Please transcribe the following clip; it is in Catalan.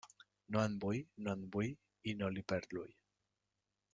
No en vull, no en vull, i no li perd l'ull.